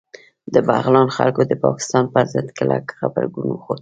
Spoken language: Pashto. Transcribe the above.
د بغلان خلکو د پاکستان پر ضد کلک غبرګون وښود